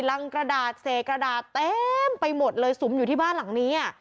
รังกระดาษเสกกระดาษเต็มไปหมดเลยสุมอยู่ที่บ้านหลังนี้